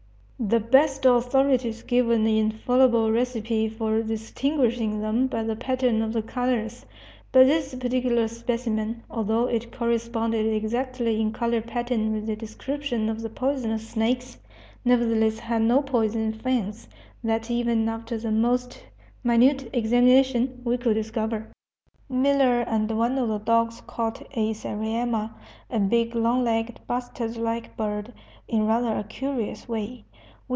The best authorities give an infallible recipe for distinguishing them by the pattern of the colors, but this particular specimen, although it corresponded exactly in color pattern with the description of the poisonous snakes, nevertheless had no poison fangs that even after the most minute examination we could discover. Miller and one of the dogs caught a sariema, a big, long legged, bustard like bird, in rather a curious way.